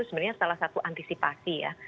sebenarnya salah satu antisipasi ya